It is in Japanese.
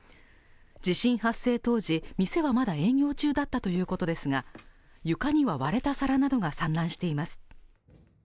地震発生当時、店はまだ営業中だったということですが、床には割れた皿などが散乱しています。